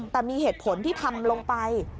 แต่มีเหตุผลที่ทำลงไป